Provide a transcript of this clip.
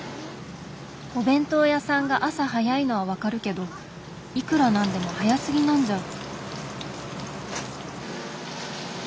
お弁当屋さんが朝早いのはわかるけどいくら何でも早すぎなんじゃ。